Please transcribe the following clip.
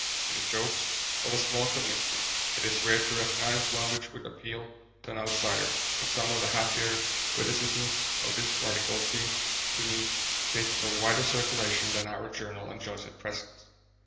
In the jokes of a small community it is rare to recognise one which would appeal to an outsider, but some of the happier witticisms of this article seem to me fit for wider circulation than our journal enjoys at present.